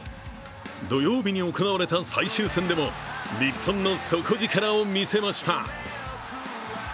土曜日に行われた最終戦でも日本の底力を見せました。